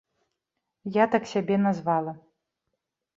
Я так сябе назвала.